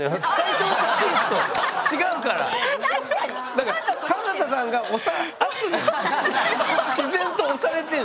だからかな多さんが圧に自然と押されてんすよ。